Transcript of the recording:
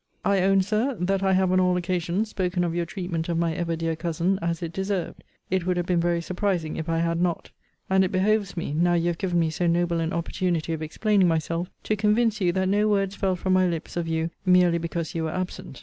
I own, Sir, that I have on all occasions, spoken of your treatment of my ever dear cousin as it deserved. It would have been very surprising if I had not And it behoves me (now you have given me so noble an opportunity of explaining myself) to convince you, that no words fell from my lips, of you, merely because you were absent.